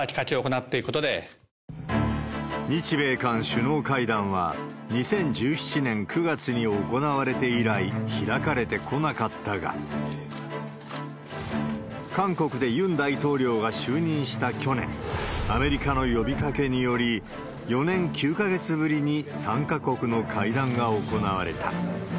まさにわれわれが本日、日米韓首脳会談は２０１７年９月に行われて以来、開かれてこなかったが、韓国でユン大統領が就任した去年、アメリカの呼びかけにより、４年９か月ぶりに３か国の会談が行われた。